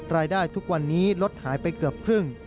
รายได้ทุกวันนี้ลดหายไปเกือบครึ่ง